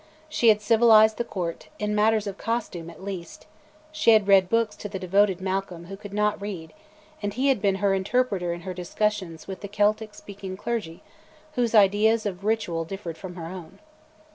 She had civilised the Court, in matters of costume at least; she had read books to the devoted Malcolm, who could not read; and he had been her interpreter in her discussions with the Celtic speaking clergy, whose ideas of ritual differed from her own.